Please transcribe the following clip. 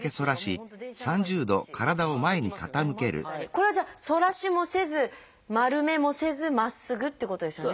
これはじゃあ反らしもせず丸めもせずまっすぐっていうことですよね。